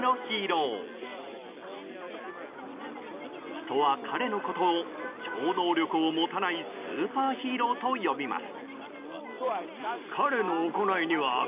人は彼のことを超能力を持たないスーパーヒーローと呼びます。